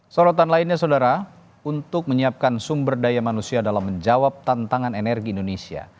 sorotan lainnya saudara untuk menyiapkan sumber daya manusia dalam menjawab tantangan energi indonesia